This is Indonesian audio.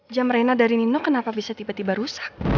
jam rena dari nino kenapa bisa tiba tiba rusak